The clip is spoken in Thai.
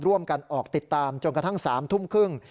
ร่วมกันออกติดตามจนกระทั่ง๓ทุ่มครึ่ง